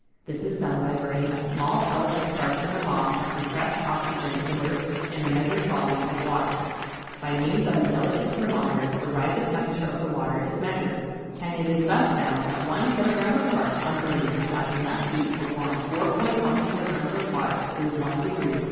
This is done by burning a small pellet of starch in a bomb of compressed oxygen immersed in a measured volume of water. By means of a delicate thermometer the rise of temperature of the water is measured, and it is thus found that one kilogram of starch on burning gives out enough heat to warm 4·1 kilograms of water through one degree.